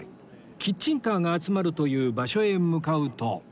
キッチンカーが集まるという場所へ向かうと